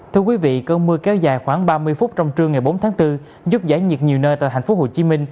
thưa quý vị cơn mưa kéo dài khoảng ba mươi phút trong trưa ngày bốn tháng bốn giúp giải nhiệt nhiều nơi tại tp hcm